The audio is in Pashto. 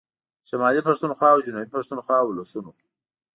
شمالي پښتونخوا او جنوبي پښتونخوا ولسونو